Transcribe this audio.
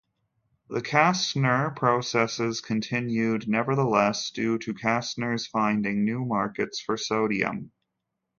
The Castner process continued nevertheless due to Castner's finding new markets for sodium.